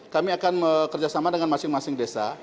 kami akan bekerjasama dengan masing masing desa